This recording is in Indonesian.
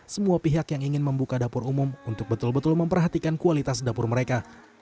semua pihak yang ingin membuka dapur umum untuk betul betul memperhatikan kualitas dapur mereka